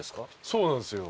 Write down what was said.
そうなんですよ。